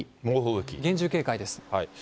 厳重警戒です。